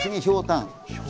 ひょうたん。